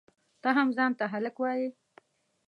ته هم ځان ته هلک وایئ؟!